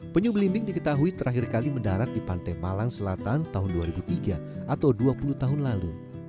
penyu belimbing diketahui terakhir kali mendarat di pantai malang selatan tahun dua ribu tiga atau dua puluh tahun lalu